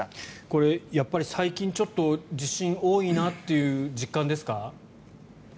これ、やっぱり最近ちょっと地震多いなという実感ですか？